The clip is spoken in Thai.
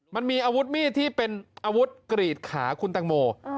มันมีอาวุธมีดที่เป็นอาวุธกรีดขาคุณตังโม